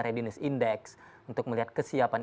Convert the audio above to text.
readiness index untuk melihat kesiapan